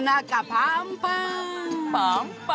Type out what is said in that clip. パンパン。